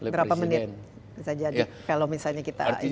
berapa menit bisa jadi kalau misalnya kita ingin berlangsung